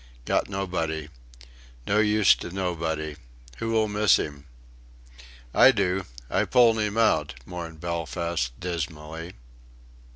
Got nobody. No use to nobody. Who will miss him?" "I do I pulled him out," mourned Belfast dismally.